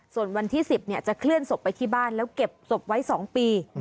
ส่วนวันที่๑๐จะเคลื่อนศพไปที่บ้านแล้วเก็บศพไว้๒ปี